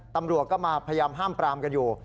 ตำรวจก็มาพยายามห้ามปรามกันอยู่